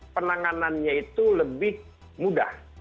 penanganannya itu lebih mudah